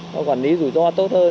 mình quản lý rủi ro tốt hơn